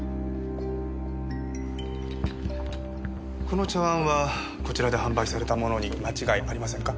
この茶碗はこちらで販売されたものに間違いありませんか？